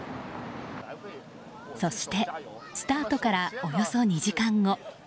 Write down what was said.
そして、スタートからおよそ２時間後。